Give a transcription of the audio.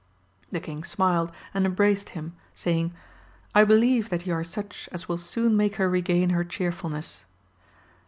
The king smiled, and embraced him, saying, I believe that ye are such as will soon make her regain her chearfulness.